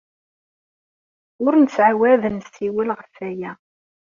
Ur nettɛawad ad nessiwel ɣef waya.